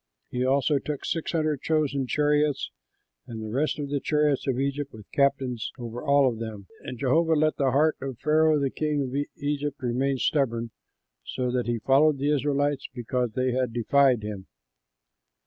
He also took six hundred chosen chariots and the rest of the chariots of Egypt with captains over all of them; and Jehovah let the heart of Pharaoh, king of Egypt, remain stubborn, so that he followed the Israelites, because they had defied him.